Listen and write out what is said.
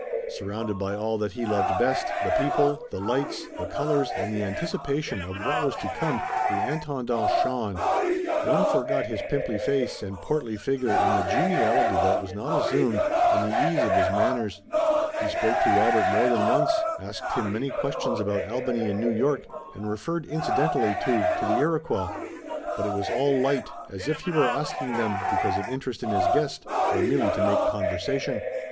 Surrounded by all that he loved best, the people, the lights, the colors, and the anticipation of what was to come, the Intendant shone. One forgot his pimply face and portly figure in the geniality that was not assumed, and the ease of his manners. He spoke to Robert more than once, asked him many questions about Albany and New York, and referred incidentally, too, to the Iroquois, but it was all light, as if he were asking them because of interest in his guest, or merely to make conversation.